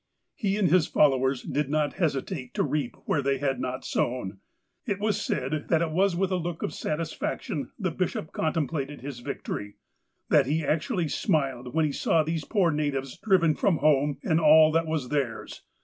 He and his followers did not hesitate to reap where they had not sown. It is said that it was with a look of satisfaction the bishop contemplated his victory. That he actually smiled when he saw these poor natives driven from home and all that was theirs.